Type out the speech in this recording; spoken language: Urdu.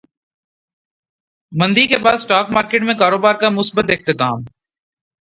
مندی کے بعد اسٹاک مارکیٹ میں کاروبار کا مثبت اختتام